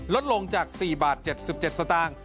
ลดลงจาก๔บาท๗๗สตางค์